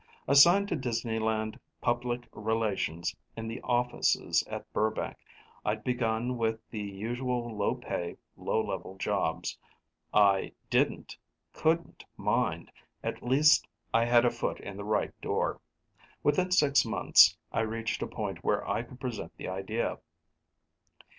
Assigned to Disneyland Public Relations in the offices at Burbank, I'd begun with the usual low pay, low level jobs. I didn't, couldn't mind; at least I had a foot in the right door. Within six months, I reached a point where I could present the idea.